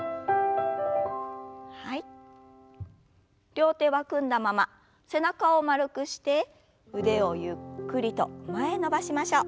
両手は組んだまま背中を丸くして腕をゆっくりと前へ伸ばしましょう。